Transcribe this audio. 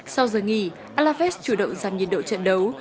sau giờ nghỉ alaves chủ động giành nhiệt độ trận đấu